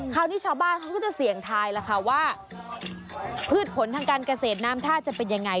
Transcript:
คราวนี้ชาวบ้านเขาก็จะเสี่ยงทายล่ะค่ะว่าพืชผลทางการเกษตรน้ำท่าจะเป็นยังไง